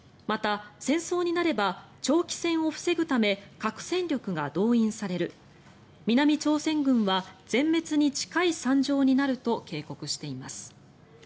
また、戦争になれば長期戦を防ぐため核戦力が動員される南朝鮮軍は全滅に近い惨状になると警告しています。